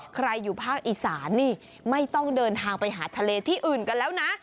ใครอยู่ภาคอีสานนี่ไม่ต้องเดินทางไปหาทะเลที่อื่นกันแล้วนะ